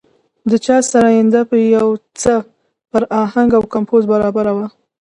د چا سرېنده يو څه پر اهنګ او کمپوز برابره وي.